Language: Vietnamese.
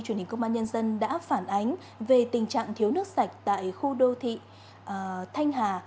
công an nhân dân đã phản ánh về tình trạng thiếu nước sạch tại khu đô thị thanh hà